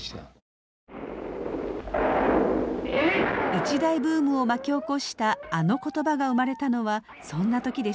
一大ブームを巻き起こしたあの言葉が生まれたのはそんな時でした。